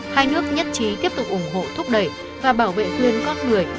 hai nước nhất trí tiếp tục ủng hộ thúc đẩy và bảo vệ quyền con người